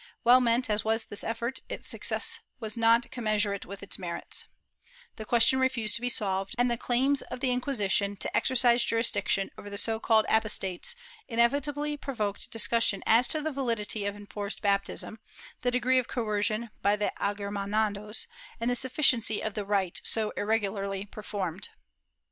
^ Well meant as was this effort, its success was not commensurate with its merits ; the question refused to be solved, and the claims of the Inquisition to exercise jurisdiction over the so called apostates inevitably provoked discussion as to the validity of enforced baptism, the degree of coercion by the Agermanados, and the sufficiency of the rite so irregularly performed.